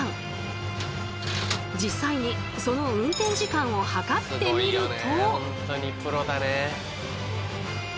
実際にその運転時間を計ってみると。